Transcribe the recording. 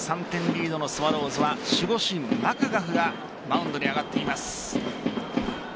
リードのスワローズは守護神・マクガフがマウンドに上がっています。